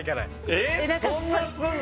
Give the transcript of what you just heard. えそんなすんの？